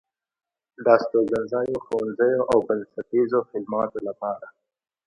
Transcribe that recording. د استوګنځايو، ښوونځيو او د بنسټيزو خدماتو لپاره